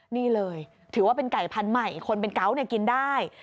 นี่เลยถือว่าเป็นไก่พันธุ์ใหม่คนเป็นเกาะกินได้